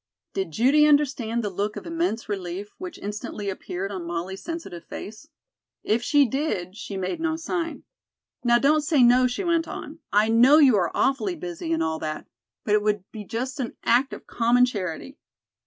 Did Judy understand the look of immense relief which instantly appeared on Molly's sensitive face? If she did she made no sign. "Now, don't say no," she went on. "I know you are awfully busy, and all that, but it would be just an act of common charity."